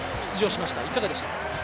いかがでした？